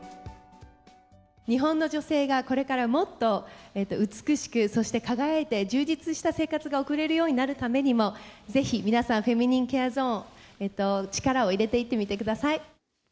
日本の女性がこれからもっと美しく、そして輝いて、充実した生活が送れるようになるためにも、ぜひ皆さん、フェミニンケアゾーン、力を入れていってみてください。